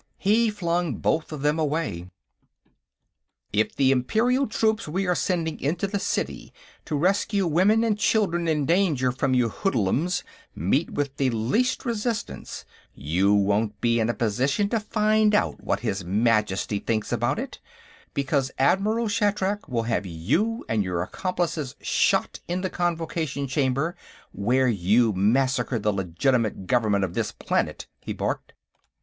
He flung both of them away. "If the Imperial troops we are sending into the city to rescue women and children in danger from your hoodlums meet with the least resistance, you won't be in a position to find out what his Majesty thinks about it, because Admiral Shatrak will have you and your accomplices shot in the Convocation Chamber, where you massacred the legitimate government of this planet," he barked.